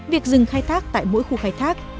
việc dừng khai thác tại mỗi khu khai thác